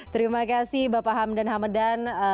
terima kasih bapak hamdan hammedan